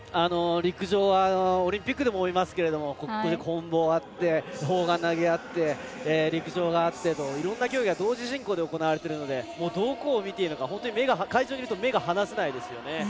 陸上はオリンピックでも思いますけどこん棒があって砲丸投げがあって陸上があって、いろんな競技が同時進行で行われているのでどこを見ていいのか会場にいると目が離せないですよね。